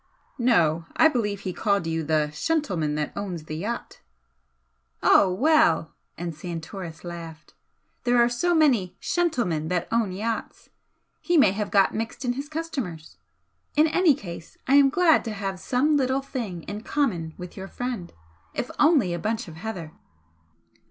"No I believe he called you 'the shentleman that owns the yacht.'" "Oh well!" and Santoris laughed "There are so many 'shentlemen' that own yachts! He may have got mixed in his customers. In any case, I am glad to have some little thing in common with your friend if only a bunch of heather!"